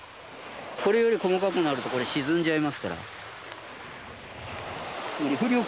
これより細かくなると、これ、沈んじゃいますから。